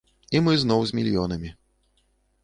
І мы зноў з мільёнамі.